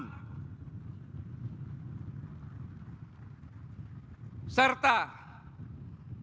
dan yang dianggap sebagai kepentingan rakyat